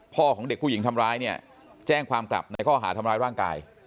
ของเด็กผู้หญิงทำร้ายเนี่ยแจ้งความกลับในข้อหาทำร้ายร่างกาย